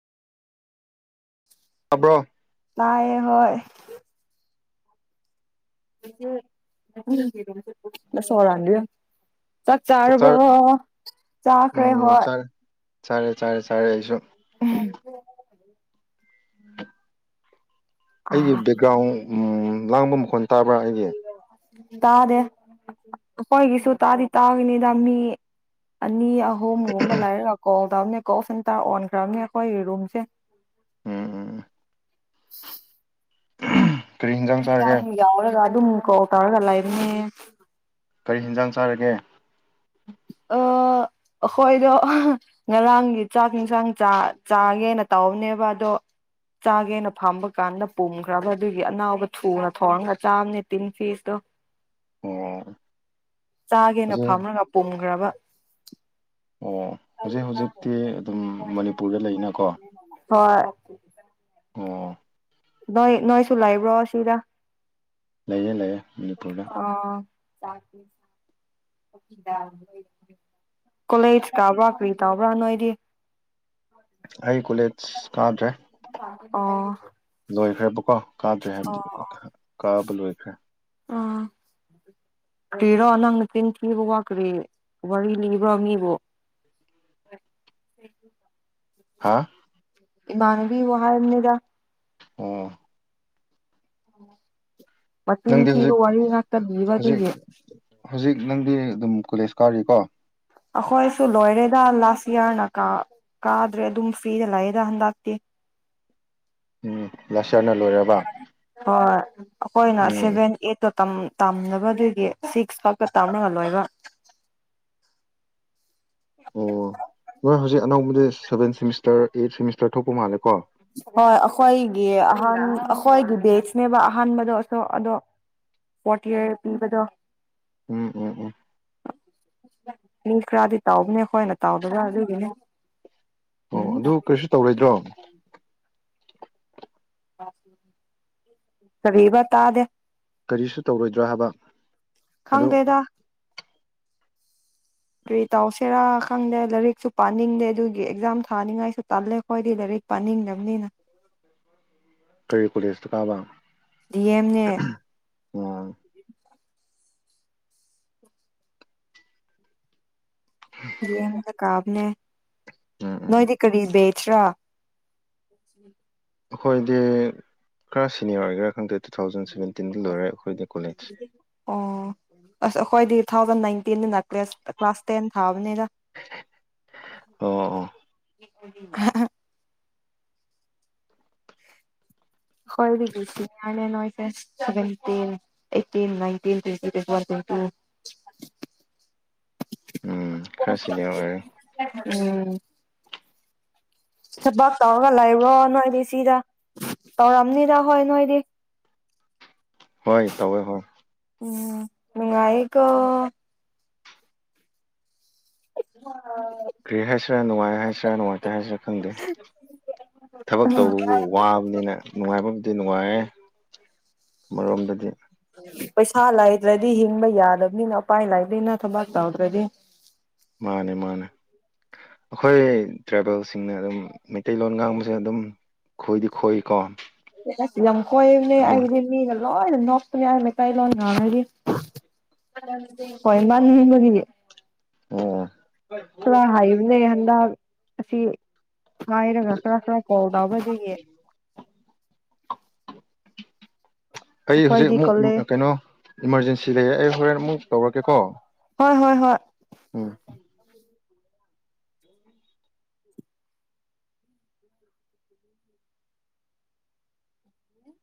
ꯇꯥꯕ꯭ꯔꯣ ꯇꯥꯏꯌꯦ ꯍꯣꯏ ꯁꯣꯗꯗ ꯆꯥꯛ ꯆꯥꯔꯕꯣ ꯆꯥꯛꯆꯥꯔ ꯆꯥꯈ꯭ꯔꯦ ꯎꯝ ꯍꯣꯏ ꯆꯥꯔꯦ ꯆꯥꯔꯦ ꯆꯥꯔꯦ ꯆꯥꯔꯦ ꯑꯩꯁꯨ ꯎꯝ ꯎꯝ ꯑꯩ ꯑꯥ ꯕꯦꯛꯒ꯭ꯔꯥꯎꯟ ꯎ ꯂꯥꯡꯕ ꯃꯈꯣꯟ ꯇꯥꯕ꯭ꯔꯥ ꯑꯩꯒꯤ ꯇꯥꯗꯦ ꯑꯩꯈꯣꯏꯒꯤꯁꯨ ꯇꯥꯗꯤ ꯇꯥꯒꯅꯤꯗ ꯃꯤ ꯑꯅꯤ ꯌꯥꯎ ꯍꯨꯝꯒꯨꯝꯃ ꯂꯩꯔꯒ ꯀꯣꯜ ꯇꯧꯕꯅꯦ ꯀꯣ [unintelligible] ꯇꯥ ꯑꯣꯟꯈ꯭ꯔꯝꯅꯦ ꯑꯈꯣꯏ ꯔꯨꯝꯁꯦ ꯎꯝ ꯎꯝ ꯎ ꯌꯥꯝ ꯌꯥꯎꯔꯒ ꯑꯗꯨ ꯃ ꯀꯣ ꯇꯧꯔ ꯂꯩꯕꯅꯦ ꯀꯔꯤ ꯍꯤꯟꯖꯥꯡ ꯆꯥꯔꯒꯦ ꯑ ꯑꯩꯈꯣꯏꯗꯣ ꯉꯔꯥꯡꯒꯤ ꯆꯥꯛ ꯌꯦꯟꯁꯥꯡ ꯆꯥꯒꯦꯅ ꯇꯧꯕꯑꯅꯦꯕ ꯑꯗꯣ ꯆꯥꯒꯦꯅ ꯐꯝꯕ ꯀꯥꯟꯗ ꯄꯨꯝꯈ꯭ꯔꯕ ꯑꯗꯨꯒꯤ ꯑꯅꯥꯕ ꯊꯨꯅ ꯊꯣꯡꯔꯒ ꯆꯥꯝꯅꯦ ꯇꯤꯟ ꯐꯤꯁꯇꯣ ꯑꯣ ꯍꯧꯖꯤꯛ ꯇꯥꯒꯦꯅ ꯐꯝꯅ ꯇꯣꯡꯒ꯭ꯔꯕ ꯑꯣ ꯍꯧꯖꯤꯛ ꯍꯧꯖꯤꯛꯇꯤ ꯑꯗꯨꯝ ꯍꯣꯏ ꯅꯣꯏ ꯃꯅꯤꯄꯨꯔꯗ ꯅꯁꯥ ꯂꯩꯅꯀꯣ ꯂꯥꯛꯄꯅꯤꯅ ꯑꯣ ꯅꯣꯏ ꯅꯣꯏꯁꯨꯨꯂꯥꯏꯕ꯭ꯔꯣ ꯁꯤꯗ ꯂꯩꯌꯦꯦ ꯂꯩꯌꯦ ꯃꯅꯤꯄꯨꯔ ꯑ ꯀꯣꯂꯦꯖ ꯇꯥꯕ꯭ꯔꯥ ꯀꯔꯤ ꯇꯥꯕ꯭ꯔꯥ ꯅꯣꯏꯗꯤ ꯑꯩ ꯀꯣꯂꯦꯖ ꯀꯥꯗ꯭ꯔꯦ ꯑꯣ ꯂꯣꯏꯈ꯭ꯔꯦꯕꯀꯣ ꯀꯥꯗ꯭ꯔꯦ ꯍꯥꯏꯕꯗꯤ ꯂꯦ ꯑ ꯀꯤꯔꯣ ꯅꯪꯅ ꯇꯤꯟꯊꯤꯕ ꯋꯥꯈ꯭ꯔꯦ ꯋꯥꯔꯤ ꯂꯤꯅꯤꯕ꯭ꯔꯣ ꯃꯤꯕꯨꯣ ꯍꯥꯥ ꯏꯕꯥꯅꯕꯤ ꯋꯥꯍ ꯃꯅꯦꯗꯥ ꯑꯣ ꯑꯣ ꯅꯪꯗꯤ ꯍꯧꯖꯤꯛ ꯍꯧꯖꯤꯛ ꯑꯗꯨꯒꯤ ꯍꯧꯖꯤꯛ ꯅꯪꯗꯤ ꯑꯗꯨꯝ ꯀꯣꯂꯦꯖ ꯀꯔꯤꯀꯣ ꯑꯩꯈꯣꯏꯁꯨ ꯂꯣꯏꯔꯦꯗ ꯂꯥꯁ ꯌꯌꯥꯔꯅ ꯀꯥꯗ꯭ꯔꯦ ꯑꯗꯨꯝ ꯐ꯭ꯔꯤꯗ ꯂꯥꯛꯑꯦꯗ ꯍꯟꯗꯛꯇꯤ ꯎꯝ ꯂꯁ ꯍꯣꯏ ꯑꯩꯈꯣꯏꯅ ꯎꯝ ꯁꯚꯦꯟ ꯑꯩꯠ ꯇꯝꯅꯕ ꯑꯗꯨꯏꯒꯤ ꯁꯤꯛꯁ ꯐꯥꯎꯕꯀ ꯇꯥꯝꯅꯍꯜꯂꯣꯏꯕ ꯑꯣ ꯅꯣꯏ ꯍꯧꯖꯤꯛ ꯑꯅꯧꯕꯗꯤ ꯁꯚꯦꯟ ꯁꯦꯃꯤꯁꯇꯔ ꯑꯩꯠ ꯁꯦꯃꯤꯁꯇꯔ ꯊꯣꯛꯄ ꯃꯥꯜꯂꯦꯀꯣ ꯍꯣꯏ ꯑꯩꯈꯣꯏꯒꯤ ꯑꯍ ꯑꯩꯈꯣꯏꯒꯤ ꯕꯦꯁꯅꯦꯕ ꯑꯍꯥꯟꯕꯗꯣꯁꯨ ꯑꯗꯣ ꯐꯣꯔꯇꯤꯔ ꯄꯤꯕꯗꯣ ꯎꯝ ꯎꯝ ꯎꯝ ꯃꯤ ꯈꯔꯗꯤ ꯇꯥꯎꯕꯅꯦ ꯑꯩꯈꯣꯏꯅ ꯇꯥꯎꯗꯅ ꯑꯗꯨꯒꯤꯅꯦ ꯑꯣ ꯎꯝ ꯑꯗꯨ ꯀꯔꯤꯁꯨ ꯇꯧꯔꯣꯏꯗ꯭ꯔꯣ ꯀꯤꯕ ꯇꯗꯦ ꯀꯔꯤꯁꯨ ꯇꯧꯔꯣꯏꯗ꯭ꯔꯣ ꯍꯥꯏꯕ ꯑꯗꯨ ꯈꯪꯕꯦꯗꯥ ꯀꯔꯤ ꯇꯧꯁꯤꯦꯔꯥ ꯈꯪꯗꯦ ꯂꯥꯏꯔꯤꯛꯁꯨ ꯄꯥꯅꯤꯡꯗꯦ ꯑꯗꯨꯒꯤ ꯑꯦꯛꯖꯥꯝ ꯊꯥꯅꯤꯡꯉꯥꯏꯁꯨ ꯇꯜꯂꯦ ꯑꯩꯈꯣꯏꯗꯤ ꯂꯥꯏꯔꯤꯛ ꯄꯥꯅꯤꯡꯗꯕꯅꯤꯅ ꯇꯔꯤ ꯀꯁ ꯀꯥꯕ ꯗꯤꯑꯦꯝꯦ ꯑꯥ ꯌꯦ ꯃ ꯀꯥꯞ ꯂ ꯎꯝ ꯎꯝ ꯅꯣꯏꯣꯏꯗꯤ ꯀꯔꯤ ꯕꯦꯆ꯭ꯔꯥ [unintelligible] ꯑꯩꯈꯣꯏꯗꯤ ꯈꯔ ꯁꯤꯅꯤꯌꯔ ꯑꯣꯏꯒꯦꯔꯥ ꯈꯪꯗꯦ ꯇꯨ ꯊꯥꯎꯖꯟ ꯁꯚꯦꯟꯇ ꯇꯤꯟ ꯂꯔ ꯍꯣꯏꯗꯦ ꯀꯣꯂꯦꯖ ꯑꯣ ꯑꯁ ꯑꯩꯈꯣꯏꯗꯤ ꯇꯨ ꯊꯥꯎꯖꯟ ꯅꯥꯏꯇꯤꯟ ꯀ꯭ꯂ ꯀ꯭ꯂꯥꯁ ꯇ ꯊ ꯑꯣ ꯑꯣ [unintelligible] ꯈꯣꯏꯗꯒꯤ ꯁꯤꯅ꯭ꯌꯔꯅꯦ ꯅꯣꯏꯁꯦ seventeen eighteen ꯅꯥꯏꯟꯇꯤꯅ twenty twenty one twenty two ꯎꯝ ꯈꯔ ꯁꯤꯅ꯭ꯌꯔ ꯑꯣꯏꯔꯦ ꯎꯝ ꯊꯕꯥꯛ ꯇꯧꯔꯒ ꯂꯩꯕ꯭ꯔꯣ ꯅꯣꯏꯗꯤ ꯁꯤꯗ ꯇꯧꯔꯝꯅꯤꯗ ꯍꯣꯏ ꯅꯣꯏꯗꯤ ꯍꯣꯏ ꯇꯧꯋꯦ ꯍꯣꯏ ꯎꯝ ꯃꯉ ꯑꯩꯀ [unintelligible] ꯀꯔꯤ ꯍꯥꯏꯁꯤꯔꯥ ꯅꯨꯡꯉꯥꯏ ꯍꯥꯏꯁꯤꯔꯥ ꯅꯨꯡꯉꯥꯏꯇꯦ ꯍꯥꯏꯁꯤꯔꯥ ꯈꯪꯗꯦ ꯊꯕꯛ ꯎꯝ ꯇꯧꯕꯕꯨ ꯋꯥꯕꯅꯤꯅ ꯅꯨꯡꯉꯥꯏꯕꯕꯨꯗꯤ ꯅꯨꯡꯉꯥꯏꯑꯦ ꯑꯃꯔꯣꯝꯗꯗꯤ ꯄꯩꯁꯥ ꯂꯩꯥꯗ꯭ꯔꯗꯤ ꯍꯤꯡꯕ ꯌꯥꯗꯕꯅꯤꯅ ꯎꯄꯥꯏ ꯂꯩꯕꯅꯤꯅ ꯊꯕꯥꯛ ꯇꯧꯗ꯭ꯔꯗꯤ ꯃꯥꯟꯅꯦ ꯃꯥꯟꯅꯦ ꯑꯈꯣꯏ ꯇ꯭ꯔꯥꯏꯕꯦꯜꯁꯤꯡꯅ ꯑꯗꯨꯝ ꯃꯩꯇꯩꯂꯣꯟ ꯉꯥꯡꯕꯁꯦ ꯑꯗꯨꯝ ꯈꯣꯏꯗꯤ ꯈꯣꯏꯀꯣ ꯑꯁ ꯂꯝꯀꯣꯏꯕꯅꯦ ꯂꯣꯟ ꯑꯩꯒꯤꯗꯤ ꯃꯤ ꯂꯣꯏ ꯅ ꯃꯀꯥꯏ ꯂ ꯉꯔꯤ ꯍꯣꯏ ꯏꯃ ꯍꯒꯦ ꯑꯣ [unintelligible] ꯍꯥꯏꯕꯅꯦ ꯍꯟꯗꯛ ꯑꯁꯤ ꯉꯥꯏꯔꯒ ꯈꯔ ꯈꯔ ꯀꯣꯜ ꯇꯧꯕꯗꯒꯤ ꯑꯩ ꯍꯧꯖꯤꯛ ꯑꯃꯨꯛ ꯀꯣꯂꯦꯖ ꯀꯩꯅꯣ ꯏꯃꯥꯔꯖꯦꯟꯁꯤ ꯂꯩꯔꯦ ꯑꯩ ꯍꯣꯔꯦꯟ ꯑꯃꯨꯛ ꯇꯧꯔꯛꯀꯦꯀꯣ ꯍꯣꯏ ꯍꯣꯏ ꯍꯣꯏ ꯎꯝ